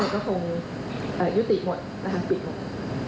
ก็คงยุติหมดปิดหมด